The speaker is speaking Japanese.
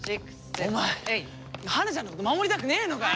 お前花ちゃんの事守りたくねえのかよ！